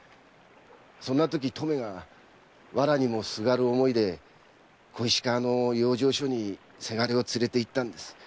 そんなときとめが藁にも縋る思いで小石川の養生所に伜を連れていったんです。